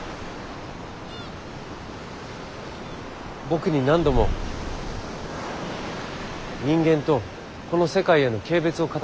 僕に何度も人間とこの世界への軽蔑を語ってました。